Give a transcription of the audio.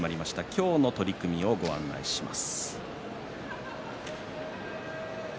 今日の取組をご案内します。